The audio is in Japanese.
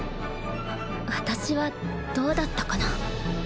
私はどうだったかな？